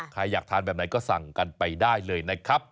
อยากทานแบบไหนก็สั่งกันไปได้เลยนะครับ